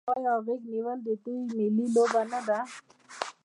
آیا غیږ نیول د دوی ملي لوبه نه ده؟